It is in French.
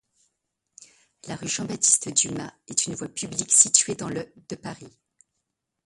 La rue Jean-Baptiste-Dumas est une voie publique située dans le de Paris.